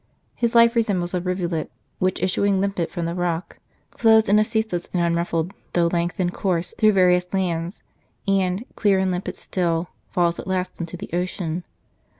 His life resembles a rivulet which, issuing limpid from the rock, flows in a ceaseless and unruffled, though length ened course through various lands, and, clear and limpid still, falls at last into the ocean.